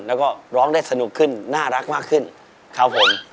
แล้วก็ร้องได้สนุกขึ้นน่ารักมากขึ้นครับผม